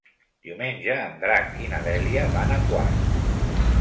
Diumenge en Drac i na Dèlia van a Quart.